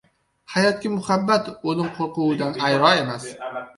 Hayotga muhabbat o‘lim qo‘rquvidan ayro emas.